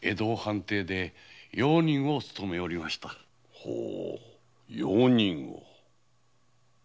ほう用人を。